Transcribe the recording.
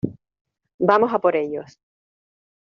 vamos a por ellos.